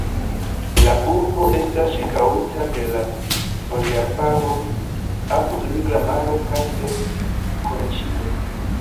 La urbo estas ĉirkaŭita de la Foliarbaroj apud Nigra Maro kaj de Kolĉido.